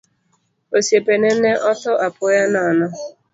Osiepene ne otho apoya nono.